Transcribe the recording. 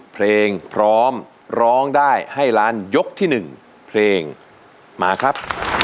เพลงพร้อมร้องได้ให้ล้านยกที่๑เพลงมาครับ